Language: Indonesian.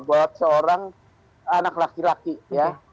buat seorang anak laki laki ya